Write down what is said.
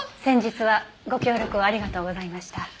先日はご協力をありがとうございました。